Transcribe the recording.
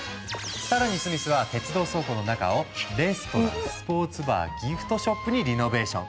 更にスミスは鉄道倉庫の中をレストランスポーツバーギフトショップにリノベーション。